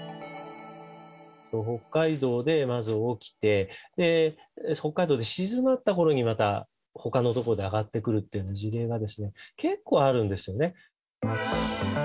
北海道でまず起きて、北海道で静まったころに、またほかの所で上がってくるっていうような事例が結構あるんですよね。